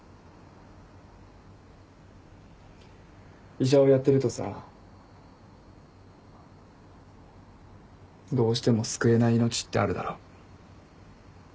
医者をやってるとさどうしても救えない命ってあるだろ。